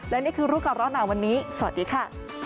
และนี่คือรู้ก่อนร้อนหนาวันนี้สวัสดีค่ะ